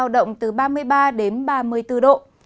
ba đến ba mươi bốn độ